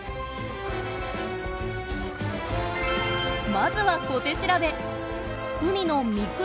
まずは小手調べ。